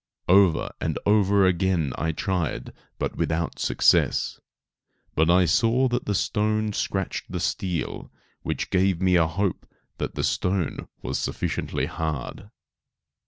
Over and over again I tried but without success, but I saw that the stone scratched the steel, which gave me hope that the stone was sufficiently hard.